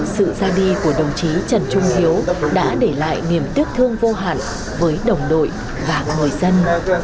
sự ra đi của đồng chí trần trung hiếu đã để lại niềm tiếc thương vô hạn với đồng đội và người dân